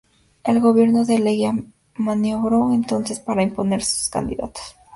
El gobierno de Leguía maniobró entonces para imponer a sus candidatos.